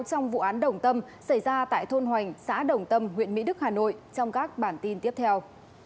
trong vụ án đồng tâm xảy ra tại thôn hoành xã đồng tâm huyện mỹ đức hà nội trong các bản tin tiếp theo